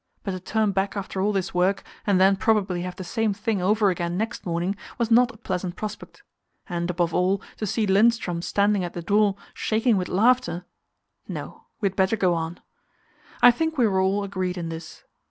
But to turn back after all this work, and then probably have the same thing over again next morning, was not a pleasant prospect. And, above all, to see Lindström standing at the door, shaking with laughter no, we had better go on. I think we were all agreed in this.